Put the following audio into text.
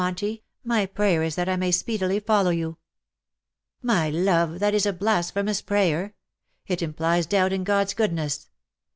Auntie, my prayer is that I may speedily follow you." " My love, that is a blasphemous prayer : it implies doubt in God^s goodness.